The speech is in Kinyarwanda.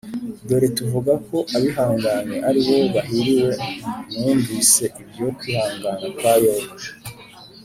Dore tuvuga ko abihanganye ari bo bahiriwe Mwumvise ibyo kwihangana kwa Yobu